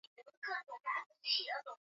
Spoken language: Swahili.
Kila mmoja anaisimulia kwa namna alivyosikia